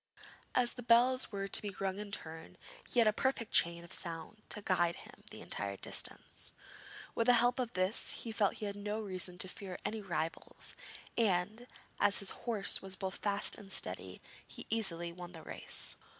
As the bells were to be rung in turn, he had a perfect chain of sound to guide him the entire distance. With the help of this, he felt he had no reason to fear any rivals, and, as his horse was both fast and steady, he easily won the race.